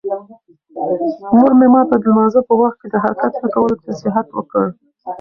مور مې ماته د لمانځه په وخت د حرکت نه کولو نصیحت وکړ.